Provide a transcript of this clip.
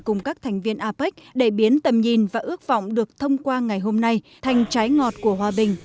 cùng các thành viên apec để biến tầm nhìn và ước vọng được thông qua ngày hôm nay thành trái ngọt của hòa bình